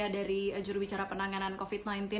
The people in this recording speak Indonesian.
dari jurubicara penanganan covid sembilan belas